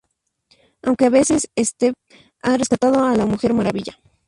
Aunque, a veces, Steve ha rescatado a la Mujer Maravilla.